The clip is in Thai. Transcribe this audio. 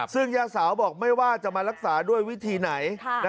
ซึ่งย่าสาวบอกไม่ว่าจะมารักษาด้วยวิธีไหน